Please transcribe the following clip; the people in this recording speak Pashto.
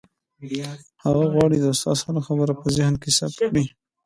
هغه غواړي د استاد هره خبره په ذهن کې ثبت کړي.